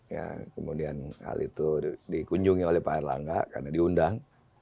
ya kemudian hal itu dikunjungi oleh pak erlangga karena diundang